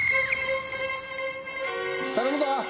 頼むぞ！